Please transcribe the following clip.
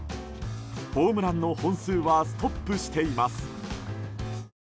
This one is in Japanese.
ホームランの本数はストップしています。